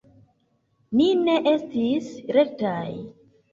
Ni ne estis lertaj.